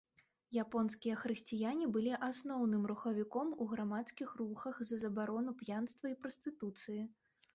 Японскія хрысціяне былі асноўным рухавіком у грамадскіх рухах за забарону п'янства і прастытуцыі.